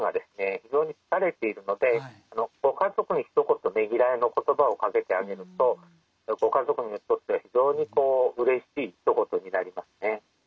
非常に疲れているのでご家族にひと言ねぎらいの言葉をかけてあげるとご家族にとって非常にうれしいひと言になりますね。